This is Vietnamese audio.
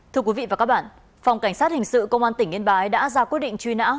thưa quý vị và các bạn phòng cảnh sát hình sự công an tỉnh yên bái đã ra quyết định truy nã